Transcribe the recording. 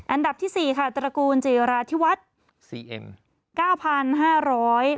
อันดับที่๔ค่ะตระกูลเจราวนที่วัฒนภักดี